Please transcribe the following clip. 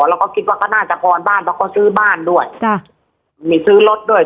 เราก็คิดว่าก็น่าจะพอบ้านแล้วก็ซื้อบ้านด้วยมีซื้อรถด้วย